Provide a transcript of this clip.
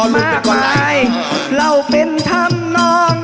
มากมายเราเป็นธรรมนอง